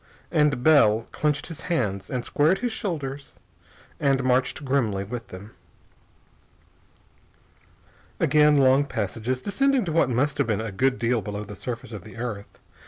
And Bell clenched his hands and squared his shoulders and marched grimly with them. Again long passages, descending to what must have been a good deal below the surface of the earth.